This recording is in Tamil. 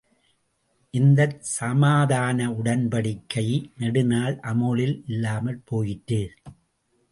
இந்தச்சமாதான உடன்படிக்கை நெடுநாள் அமுலில் இல்லாமற் போயிற்று.